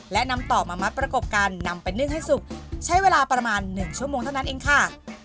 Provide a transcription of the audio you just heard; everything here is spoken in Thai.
และนำต่อมามัดประกบกันนำไปนึ่งให้สุกใช้เวลาประมาณ๑ชั่วโมงเท่านั้นเองค่ะ